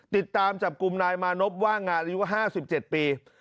ติดตามจับกลุ่มนายมานพว่างงานอายุ๕๗ปี